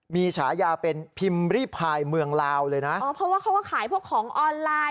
มีฉายาเป็นพิมพ์ริพายเมืองลาวเลยนะอ๋อเพราะว่าเขาก็ขายพวกของออนไลน์